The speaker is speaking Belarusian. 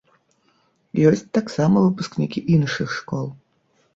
Ёсць таксама выпускнікі іншых школ.